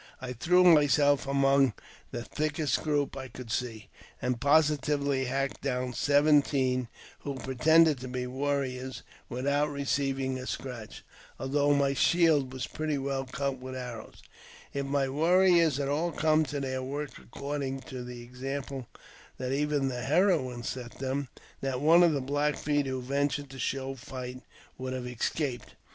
I threw myself among the thickest group I could see, and positively hacked down seven teen who pretended to be warriors without receiving a scratch, I though my shield was pretty well cut with arrows. If my arriors had all come to their work according to the example. I Hia 296 AUTOBIOGBAPHY OF that even the heroine set them, not one of the Black Feet who ventured to show fight would have escaped.